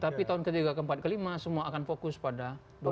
tapi tahun ketiga keempat kelima semua akan fokus pada